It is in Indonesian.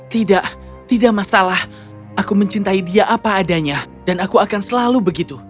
tidak tidak masalah aku mencintai dia apa adanya dan aku akan selalu begitu